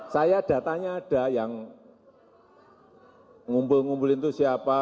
saya datanya ada yang ngumpul ngumpulin itu siapa